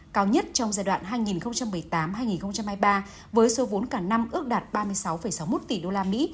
cao nhất trong giai đoạn hai nghìn một mươi tám hai nghìn hai mươi ba với số vốn cả năm ước đạt ba mươi sáu sáu mươi một tỷ đô la mỹ